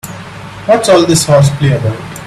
What's all this horseplay about?